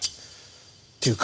っていうか。